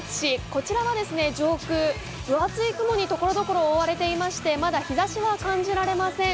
こちらは上空分厚い雲にところどころ覆われていましてまだ日ざしは感じられません。